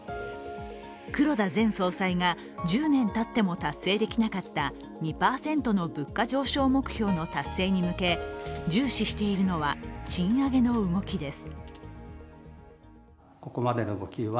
黒田前総裁が１０年たっても達成できなかった２％の物価上昇目標の達成に向け重視しているのは賃上げの動きです。